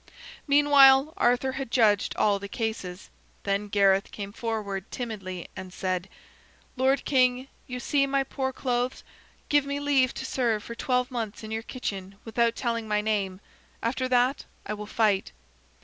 Meanwhile, Arthur had judged all the cases. Then Gareth came forward timidly and said: "Lord King, you see my poor clothes; give me leave to serve for twelve months in your kitchen without telling my name. After that I will fight."